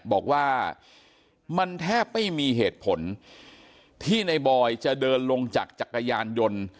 บอกว่ามันแทบไม่มีเหตุผลที่ในบอยจะเดินลงจากจักรยานยนต์